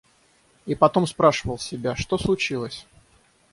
И потом спрашивал себя, что случилось?